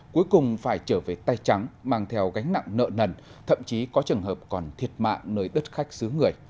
cuối cùng phải trở về tay trắng mang theo gánh nặng nợ nần thậm chí có trường hợp còn thiệt mạng nơi đất khách xứ người